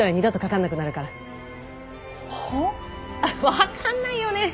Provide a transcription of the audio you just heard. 分かんないよね。